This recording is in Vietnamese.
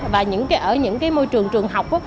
và ở những cái môi trường trường học